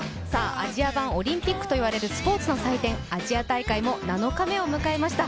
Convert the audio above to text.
アジア版オリンピックといわれるスポーツの祭典、アジア大会７日目を迎えました。